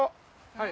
はい。